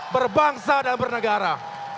berbangsa dan bernegara